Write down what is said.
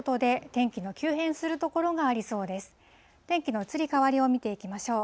天気の移り変わりを見ていきましょう。